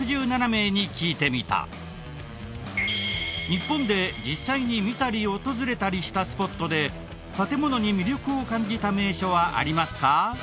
日本で実際に見たり訪れたりしたスポットで建ものに魅力を感じた名所はありますか？